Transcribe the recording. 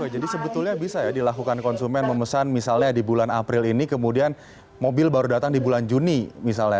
oke jadi sebetulnya bisa ya dilakukan konsumen memesan misalnya di bulan april ini kemudian mobil baru datang di bulan juni misalnya